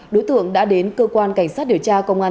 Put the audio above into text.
đối tượng đã đến cơ quan cảnh sát điều tra công an